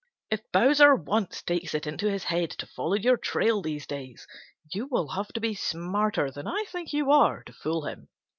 If Bowser once takes it into his head to follow your trail these days, you will have to be smarter than I think you are to fool him.